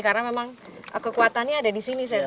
karena memang kekuatannya ada disini saya pikir